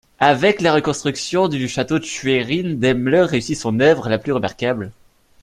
Avec la reconstruction du château de Schwerin, Demmler réussit son œuvre la plus remarquable.